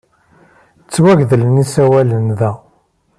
Ttwagedlen yisawalen da.